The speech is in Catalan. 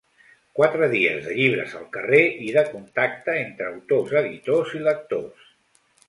Quatre dies de llibres al carrer i de contacte entre autors, editors i lectors.